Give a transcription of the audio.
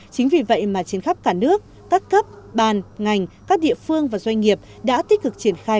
chính vì vậy mà trên khắp cả nước các cấp ban ngành các địa phương và doanh nghiệp đã tích cực triển khai